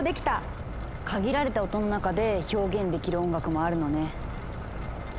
限られた音の中で表現できる音楽もあるのね。